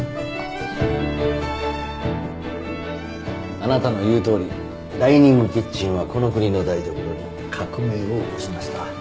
あなたの言うとおりダイニングキッチンはこの国の台所に革命を起こしました。